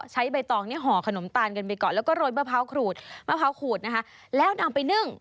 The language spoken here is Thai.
ใบตองเนี่ยห่อขนมตาลกันไปก่อนแล้วก็โรยมะพร้าวขูดมะพร้าวขูดนะคะแล้วนำไปนึ่ง